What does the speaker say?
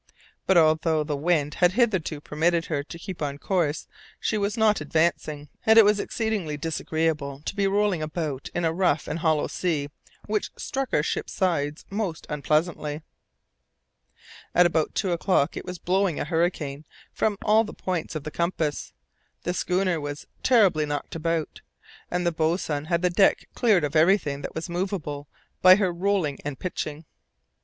But, although the wind had hitherto permitted her to keep on her course, she was not advancing, and it was exceedingly disagreeable to be rolling about in a rough and hollow sea which struck our ship's sides most unpleasantly. About two o'clock it was blowing a hurricane from all the points of the compass. The schooner was terribly knocked about, and the boatswain had the deck cleared of everything that was movable by her rolling and pitching.